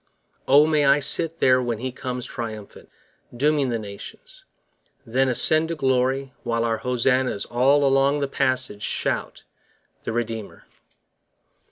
O may I sit there when He comes triumphant, Dooming the nations! then ascend to glory, While our Hosannas all along the passage 35 Shout the Redeemer.